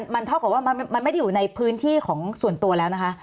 มันเท่ากับว่ามันไม่ได้อยู่ในพื้นที่ของส่วนตัวแล้วนะคะ